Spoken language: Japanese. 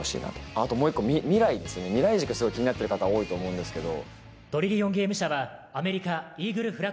あともう１個、未来ですね、未来軸、すごく気になってる方多いと思うんですけど。